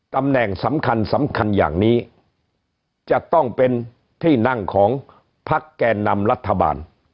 ตำแหน่งสำคัญสำคัญอย่างนี้จะต้องเป็นที่นั่งของพักแก่นำรัฐบาล